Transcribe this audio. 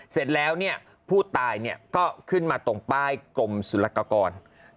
เสร็จแล้วผู้ตายก็ขึ้นมาตรงป้ายกรมสุรกร